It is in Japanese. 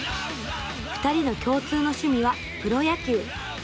２人の共通の趣味はプロ野球。